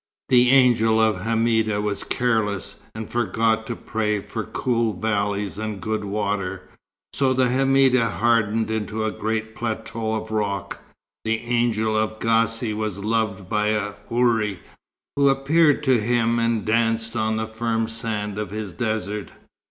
The Angel of the Hameda was careless, and forgot to pray for cool valleys and good water, so the Hameda hardened into a great plateau of rock. The Angel of the Gaci was loved by a houri, who appeared to him and danced on the firm sand of his desert.